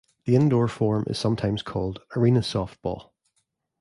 The indoor form is sometimes called Arena Softball.